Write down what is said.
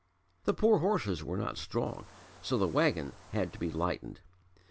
The poor horses were not strong so the wagon had to be lightened.